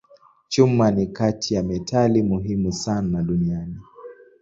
Chuma ni kati ya metali muhimu sana duniani.